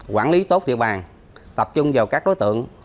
quản lý tốt địa bàn tập trung vào các đối tượng